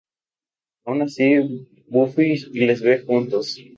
Aun así, Buffy les ve juntos.